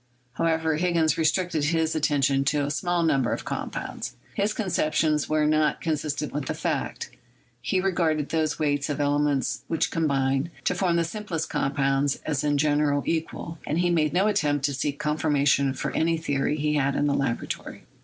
However, Higgins restricted his attention to a small number of compounds. His conceptions were not consistent with fact; he regarded those weights of ele ments which combine to form the simplest compound as in general equal; and he made no attempt to seek confirma tion for any theory he had in the laboratory.